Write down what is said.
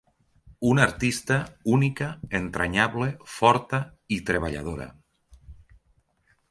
Una artista, única, entranyable, forta i treballadora.